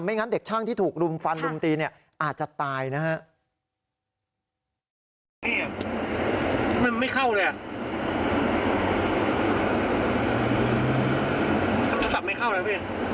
ไม่งั้นเด็กช่างที่ถูกรุมฟันรุมตีอาจจะตายนะครับ